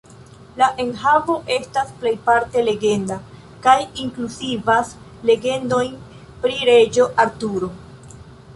La enhavo estas plejparte legenda, kaj inkluzivas legendojn pri Reĝo Arturo.